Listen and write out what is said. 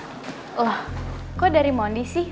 wah kok dari mondi sih